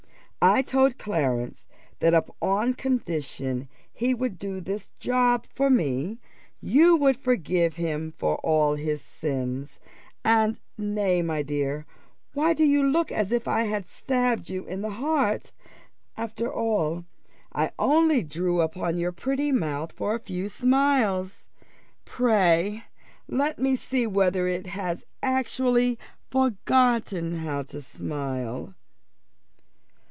I told Clarence, that upon condition he would do this job for me, you would forgive him for all his sins, and nay, my dear, why do you look as if I had stabbed you to the heart? after all, I only drew upon your pretty mouth for a few smiles. Pray let me see whether it has actually forgotten how to smile."